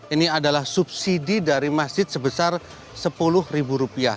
ini adalah subsidi dari masjid sebesar sepuluh rupiah